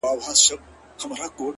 جانه راځه د بدن وينه مو په مينه پرېولو،